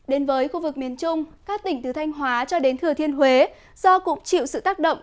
đến với khu vực miền trung các tỉnh từ thanh hóa cho đến thừa thiên huế do cũng chịu sự tác động